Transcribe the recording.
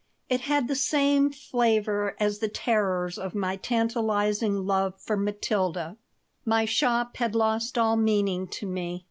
It had the same flavor as the terrors of my tantalizing love for Matilda My shop had lost all meaning to me.